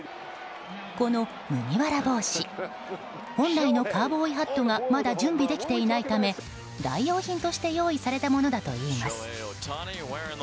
この麦わら帽子本来のカウボーイハットがまだ準備できていないため代用品として用意されたものだといいます。